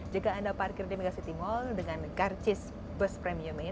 jika anda parkir di megacity mall dengan garcis bus premium ini